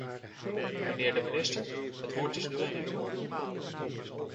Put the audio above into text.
Mijnheer de minister, het woord is nu aan u.